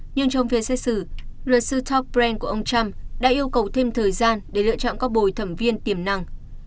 nhưng trong phiên xét xử luật sư ta brand của ông trump đã yêu cầu thêm thời gian để lựa chọn các bồi thẩm viên tiềm năng